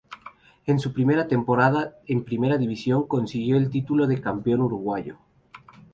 En su primera temporada en Primera División consiguió el título de Campeón Uruguayo.